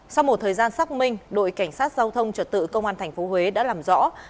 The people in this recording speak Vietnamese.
sau một thời gian xác minh đội cảnh sát giao thông trật tự công an tp huế đã làm rõ